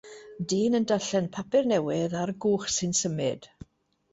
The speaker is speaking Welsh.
Dyn yn darllen papur newydd ar gwch sy'n symud.